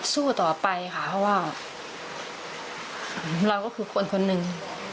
สู้ต่อไปค่ะเพราะว่าเราก็คือคนคนหนึ่ง